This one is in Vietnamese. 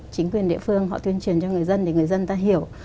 chính quyền địa phương họ tuyên truyền cho người dân để người dân ta hiểu